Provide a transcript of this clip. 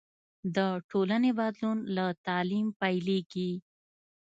د ټولنې بدلون له تعلیم پیلېږي.